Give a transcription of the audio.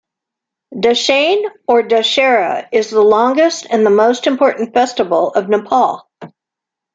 Dashain or Dusshera is the longest and the most important festival of Nepal.